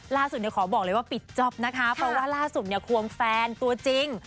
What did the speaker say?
ล่าสุดขอบอกเลยว่าปิดจบนะครับเพราะว่าล่าสุดควงแฟนตัวจริง